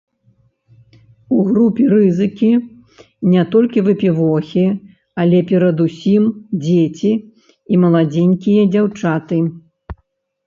У групе рызыкі не толькі выпівохі, але перадусім дзеці і маладзенькія дзяўчаты.